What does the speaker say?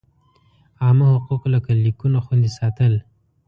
عامه حقوق لکه لیکونو خوندي ساتل.